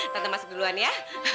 tante masuk duluan ya